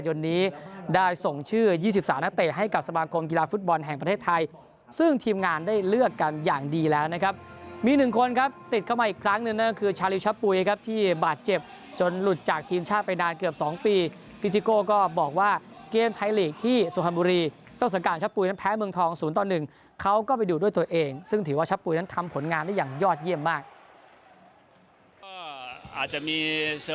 ติดเข้ามาอีกครั้งหนึ่งน่ะคือชาลิวชะปุ๋ยครับที่บาดเจ็บจนหลุดจากทีมชาติไปนานเกือบสองปีพิซิโก้ก็บอกว่าเกมไทยลีกที่สวโฮนบุรีเต้าสันการณ์ชะปุ๋ยน้ำแพ้เมืองทองศูนย์ตอนหนึ่งเขาก็ไปดูด้วยตัวเองซึ่งถือว่าชะปุ๋ยน่ะทำผลงานได้อย่างยอดเยี่ยมมากอาจจะมี